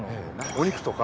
お肉とか。